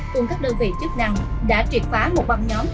cùng các đơn vị chức năng đã triệt phá một băng nhóm